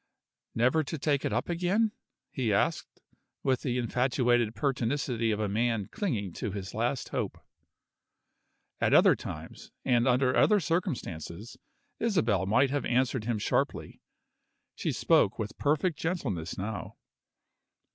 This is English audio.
"Never to take it up again?" he asked, with the infatuated pertinacity of a man clinging to his last hope. At other times and under other circumstances, Isabel might have answered him sharply. She spoke with perfect gentleness now.